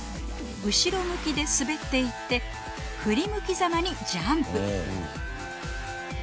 後ろ向きで滑っていって振り向きざまにジャンプ